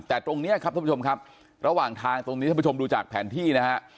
แต่ตรงนี้ครับท่านผู้ชมครับระหว่างทางตรงนี้ท่านผู้ชมดูจากแผนที่นะฮะ